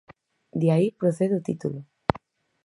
De aí procede título.